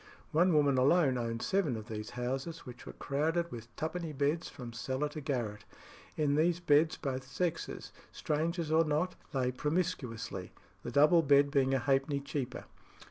One woman alone owned seven of these houses, which were crowded with twopenny beds from cellar to garret. In these beds both sexes, strangers or not, lay promiscuously, the double bed being a halfpenny cheaper.